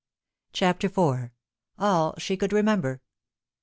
28 CHAPTER IV. ALL SHE COULD REMEMBER.